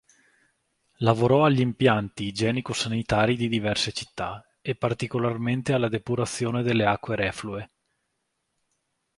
Lavorò agli impianti igienico-sanitari di diverse città e particolarmente alla depurazione delle acque reflue.